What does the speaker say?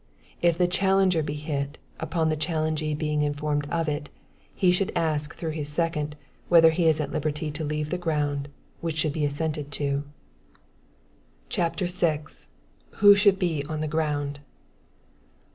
If the challenger be hit, upon the challengee being informed of it, he should ask through his second, whether he is at liberty to leave the ground which should be assented to. CHAPTER VI. Who Should Be on the Ground.